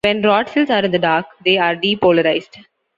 When rod cells are in the dark, they are depolarized.